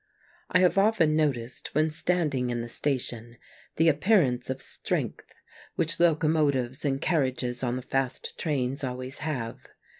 I have, often noticed, when standing in the station, the appeai* ance of strength which locomotives and carriages on the fast trains always have.